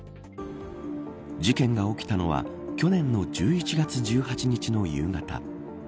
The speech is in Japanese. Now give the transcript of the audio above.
事件が起きたのは去年の１１月１８日の夕方。